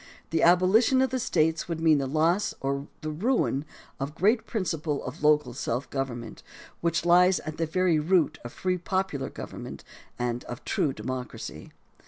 The abolition of the States would mean the loss or the ruin of the great principle of local self gov ernment, which lies at the very root of free popular government and of true democracy.